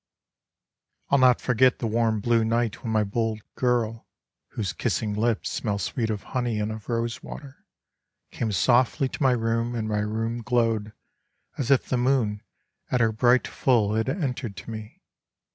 'LL not forget the warm blue night when my bold girl, Whose kissing lips smell sweet of honey and of rose water, Came softly to my room, and my room glowed As if the moon at her bright full had entered to me.